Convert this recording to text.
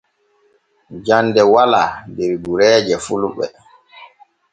Jande wala der gureeje fulɓe.